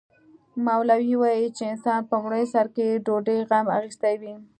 مولوي وايي چې انسان په لومړي سر کې ډوډۍ غم اخیستی وي.